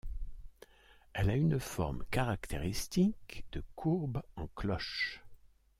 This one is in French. Elle a une forme caractéristique de courbe en cloche.